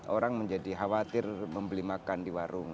orang menjadi khawatir membeli makan di warung